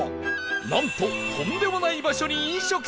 なんととんでもない場所に飲食店が